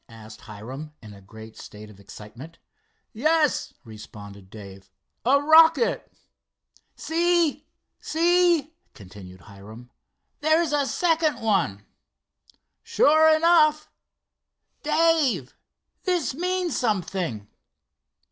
asked Hiram, in a great state of excitement. "Yes," responded Dave. "A rocket." "See! See!" continued Hiram "there's it second one!" "Sure enough." "Dave, this means something."